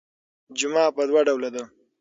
جمعه پر دوه ډوله ده.